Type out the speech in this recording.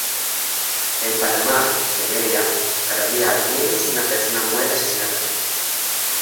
En Panamá, de media, cada día al menos una persona muere asesinada.